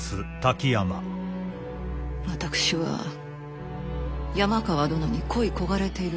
私は山川殿に恋い焦がれているのです。